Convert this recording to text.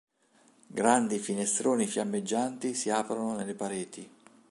Grandi finestroni fiammeggianti si aprono nelle pareti.